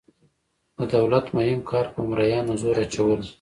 د دولت مهم کار په مرئیانو زور اچول وو.